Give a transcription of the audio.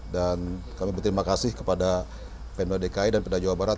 dan kami berterima kasih kepada pemadaman dki dan pemadaman jawa barat